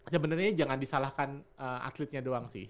sebenarnya jangan disalahkan atletnya doang sih